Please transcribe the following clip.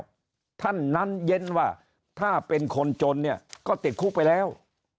ท่านนั้นเย็นว่าถ้าเป็นคนจนเนี่ยก็ติดคุกไปแล้ว